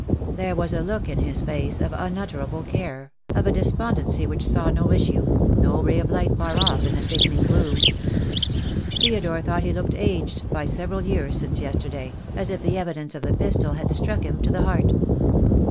There was a look in his face of unutterable care, of a despondency which saw no issue, no ray of light far off in the thickening gloom. Theodore thought he looked aged by several years since yesterday, as if the evidence of the pistol had struck him to the heart.